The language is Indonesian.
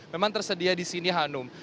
memang tersedia di sini hanum